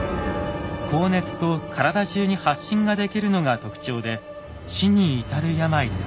高熱と体中に発疹ができるのが特徴で死に至る病です。